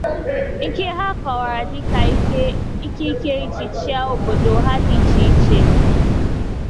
nke ha kọwara dịka ikike iji chịa obodo ha dị iche iche